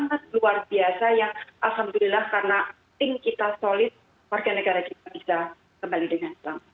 sangat luar biasa yang alhamdulillah karena tim kita solid warga negara kita bisa kembali dengan selamat